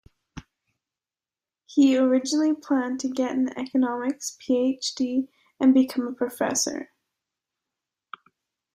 He originally planned to get an economics PhD and become a professor.